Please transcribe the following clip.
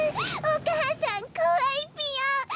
お母さんこわいぴよ。